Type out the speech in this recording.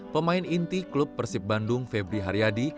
pemain inti klub persib bandung febri haryadi